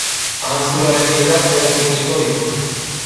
Ahanzturaren hidrak denak irentsiko ditu.